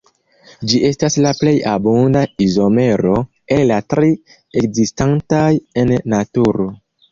Ĝi estas la plej abunda izomero el la tri ekzistantaj en naturo.